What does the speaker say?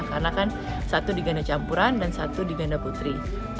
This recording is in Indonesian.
karena kan satu di ganda campuran dan satu di ganda putri